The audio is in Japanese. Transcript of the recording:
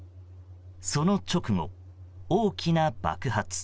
その直後、大きな爆発。